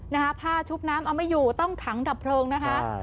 ผ้าชุบน้ำเอาไม่อยู่ต้องถังดับเพลิงนะคะ